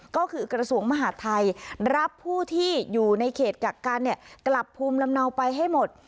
ก็คือกระทรวงมหาดไทยรับผู้ที่อยู่ในเขตกักกันกลับภูมิลำเนาไปให้หมด